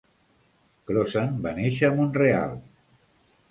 Crossan va néixer a Montreal.